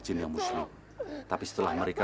jin yang muslim tapi setelah mereka